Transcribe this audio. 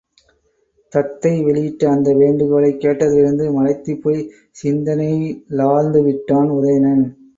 தத்தை வெளியிட்ட அந்த வேண்டுகோளைக் கேட்டதிலிருந்து மலைத்துப் போய்ச் சிந்தனையிலாழ்ந்துவிட்டான் உதயணன்.